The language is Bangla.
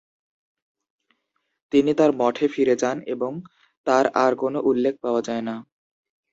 তিনি তাঁর মঠে ফিরে যান এবং তাঁর আর কোনো উল্লেখ পাওয়া যায় না।